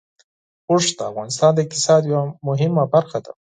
اوښ د افغانستان د اقتصاد یوه مهمه برخه ده.